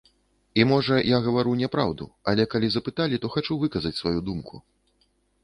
І, можа, я гавару няпраўду, але калі запыталі, то хачу выказаць сваю думку.